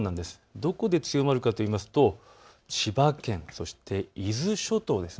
どこで強まるかというと千葉県、そして伊豆諸島です。